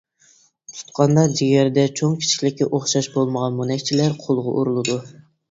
تۇتقاندا جىگەردە چوڭ-كىچىكلىكى ئوخشاش بولمىغان مونەكچىلەر قولغا ئۇرۇلىدۇ.